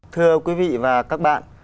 thưa quý vị và các bạn